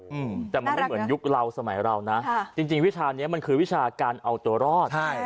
อืมแต่มันไม่เหมือนยุคเราสมัยเรานะค่ะจริงจริงวิชาเนี้ยมันคือวิชาการเอาตัวรอดใช่